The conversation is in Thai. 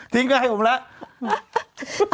ทิ้งให้ผมแล้ว